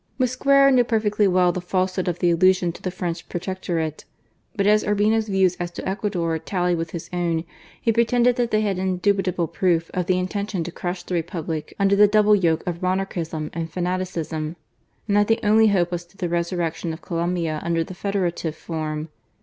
Mosquera knew perfectly well the falsehood of the allusion to the French protectorate. But as Urbina's views as to Ecuador tallied with his own, he pretended " that they had indubitable proof of the intention to crush the Repubic under the double yoke of monarchism and fanaticism ;" and that the only hope was in the resurrection of Colombia under the federative form.